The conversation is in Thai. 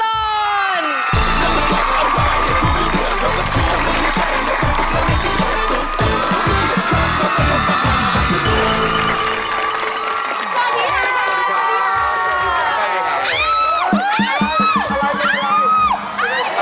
สวัสดีค่ะ